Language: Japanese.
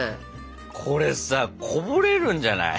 これさこぼれるんじゃない？